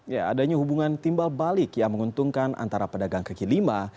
ya adanya hubungan timbal balik yang menguntungkan antara pedagang kaki lima